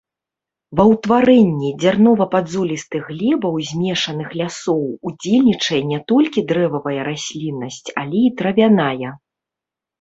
Ва ўтварэнні дзярнова-падзолістых глебаў змешаных лясоў удзельнічае не толькі дрэвавая расліннасць, але і травяная.